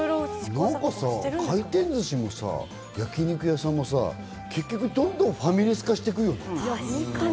回転ずしも焼肉屋さんもどんどんファミレス化していくよね。